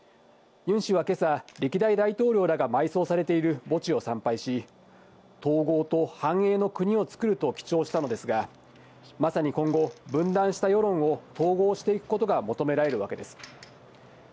ユン氏はけさ、歴代大統領らが埋葬されている墓地を参拝し、統合と繁栄の国をつくると記帳したのですが、まさに今後、分断した世論を統合していくことが求められるわけです。